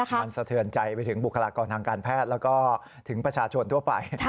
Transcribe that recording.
มันสะเทือนใจไปถึงบุคลากรทางการแพทย์แล้วก็ถึงประชาชนทั่วไป